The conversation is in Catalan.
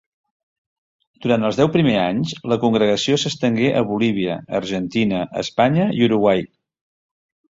Durant els deu primers anys, la congregació s'estengué a Bolívia, Argentina, Espanya i Uruguai.